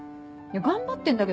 頑張ってんだけどね。